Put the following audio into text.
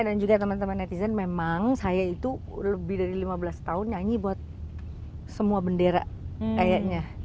dan juga teman teman netizen memang saya itu lebih dari lima belas tahun nyanyi buat semua bendera kayaknya